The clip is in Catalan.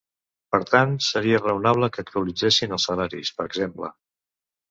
Per tant, seria raonable que actualitzessin els salaris, per exemple.